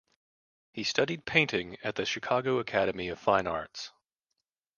He studied painting at the Chicago Academy of Fine Arts.